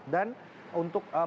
dan untuk mengatasi